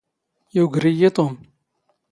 ⵢⵓⴳⵔ ⵉⵢⵉ ⵟⵓⵎ.